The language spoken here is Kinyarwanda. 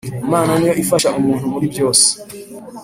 imana niyo ifasha umuntu muri byose